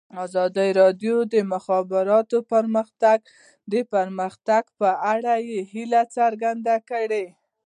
ازادي راډیو د د مخابراتو پرمختګ د پرمختګ په اړه هیله څرګنده کړې.